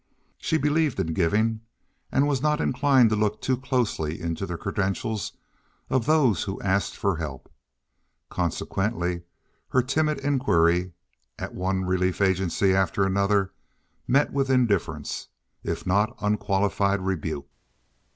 She believed in giving, and was not inclined to look too closely into the credentials of those who asked for help; consequently her timid inquiry at one relief agency after another met with indifference, if not unqualified rebuke.